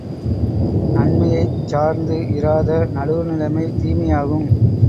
நன்மையைச் சார்ந்து இராத நடுவு நிலைமை தீமையாகும்.